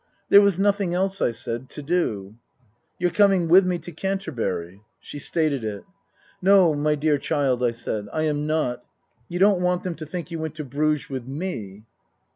" There was nothing else," I said, " to do." " You're coming with me to Canterbury." She stated it. " No, my dear child," I said, " I am not. You don't want them to think you went to Bruges with me.